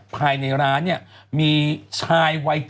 ภายในร้านเนี่ยมีชายวัย๗๐